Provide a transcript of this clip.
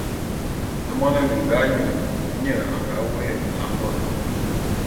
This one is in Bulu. Mona minga nyu nnye a nga woé Ela Mvondo.